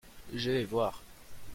Je vais voir.